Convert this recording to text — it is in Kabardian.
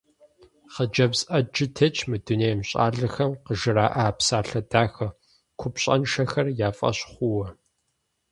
Хъыджэбз Ӏэджэ тетщ мы дунейм, щӏалэхэм къыжыраӀэ псалъэ дахэ купщӀэншэхэр я фӀэщ хъууэ.